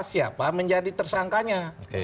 siapa menjadi tersangkanya